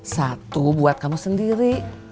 satu buat kamu sendiri